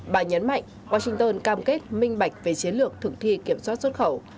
bà nhấn mạnh washington cam kết minh bạch về chiến lược thực thi kiểm soát xuất khẩu